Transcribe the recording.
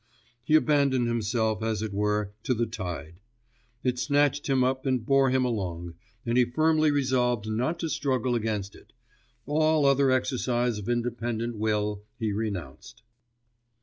He abandoned himself, as it were, to the tide; it snatched him up and bore him along, and he firmly resolved not to struggle against it ... all other exercise of independent will he renounced.